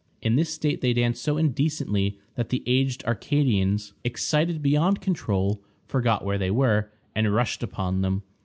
In this state they danced so indecently that the aged Arcadians, excited beyond control, forgot where they were, and rushed upon them.